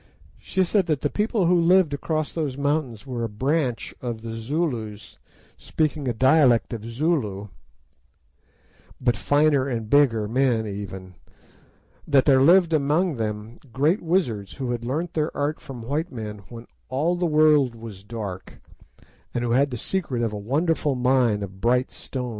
She said that the people who lived across those mountains were a "branch" of the Zulus, speaking a dialect of Zulu, but finer and bigger men even; that there lived among them great wizards, who had learnt their art from white men when "all the world was dark," and who had the secret of a wonderful mine of "bright stones."